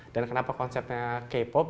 dan kenapa konsepnya k pop